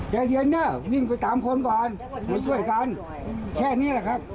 แค่นี้แหละครับ